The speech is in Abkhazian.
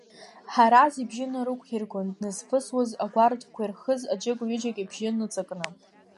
Ҳараз ибжьы нарықәиргон дназвысуаз агәараҭақәа ирхыз аӡәык-ҩыџьак, ибжьы ныҵакны.